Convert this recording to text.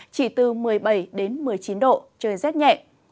chỉ từ một mươi bảy đến một mươi chín độ trời rét nhẹ